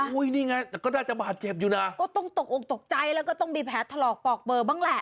อุ้ยนี่ไงแต่ก็น่าจะบาดเจ็บอยู่นะก็ต้องตกอกตกใจแล้วก็ต้องมีแผลถลอกปอกเบอร์บ้างแหละ